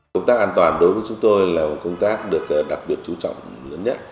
công tác an toàn đối với chúng tôi là một công tác được đặc biệt chú trọng lớn nhất